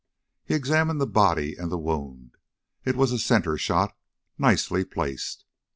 He examined the body and the wound. It was a center shot, nicely placed.